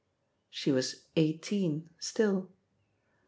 She was "eighteen" still.